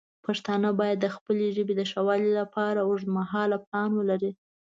پښتانه باید د خپلې ژبې د ښه والی لپاره اوږدمهاله پلان ولري.